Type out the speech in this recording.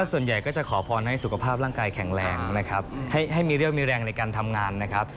ส่วนใหญ่ก็จะขอพรให้สุขภาพร่างกายแข็งแรงนะครับให้มีเรี่ยวมีแรงในการทำงานนะครับ